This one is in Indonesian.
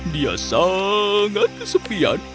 dia sangat kesepian